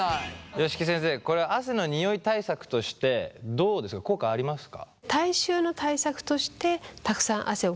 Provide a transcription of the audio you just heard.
吉木先生これは汗のニオイ対策としてどうですか効果ありますか？